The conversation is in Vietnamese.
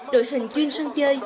đội hình chuyên sân chơi